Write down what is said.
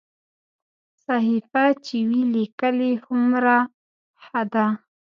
صحیفه چې وي لیکلې هومره ښه ده.